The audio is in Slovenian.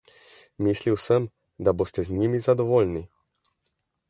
Mislil sem, da boste z njimi zadovoljni.